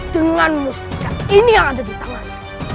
dengan mustika ini yang ada di tangan